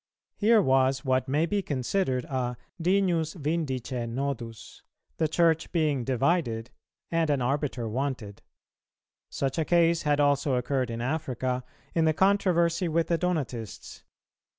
Here was what may be considered a dignus vindice nodus, the Church being divided, and an arbiter wanted. Such a case had also occurred in Africa in the controversy with the Donatists.